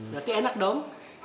berarti enak dong